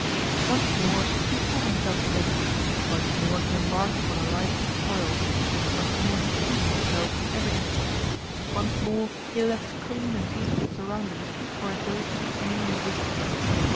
Once more he pulled himself together, once more he embarked upon a life of toil, once more he stinted himself in everything, once more he left clean and decent surroundings for a dirty, mean existence.